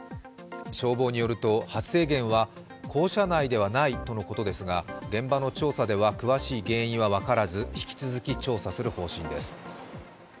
消防によると、発生源は校舎内ではないということですが現場の調査では、詳しい原因は分からず、引き続き調査する方針です。